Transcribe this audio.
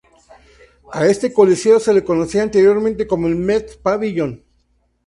A este coliseo se le conocía anteriormente como el Mets Pavilion.